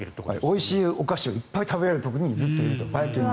おいしいお菓子をいっぱい食べられるところにいると。